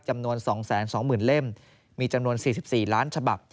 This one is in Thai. จำนวน๒๒๐๐๐เล่มมีจำนวน๔๔ล้านฉบับ